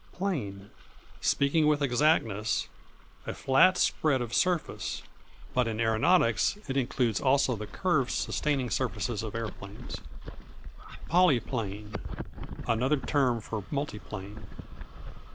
Plane Speaking with exactness, a flat spread of surface; but in aeronautics it includes also the curved sustaining surfaces of aeroplanes. Polyplane Another term for Multiplane.